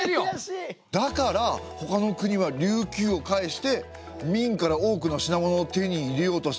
だからほかの国は琉球をかいして明から多くの品物を手に入れようとしたってことですね！